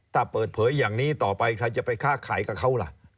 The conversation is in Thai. ถ้าเปิดเผยอย่างนี้ต่อไปใครจะไปค้าขายกับเขาล่ะ